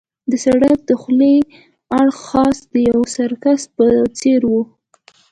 د سړک دخولي اړخ خاص د یوه سرکس په څېر وو.